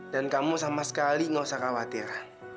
dan kamu sama sekali nggak usah khawatir